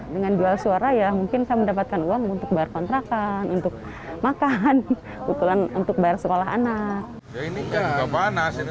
dengan jual suara ya mungkin saya mendapatkan uang untuk bayar kontrakan untuk makan kebetulan untuk bayar sekolah anak